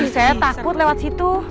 saya takut lewat situ